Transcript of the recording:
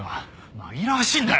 紛らわしいんだよ！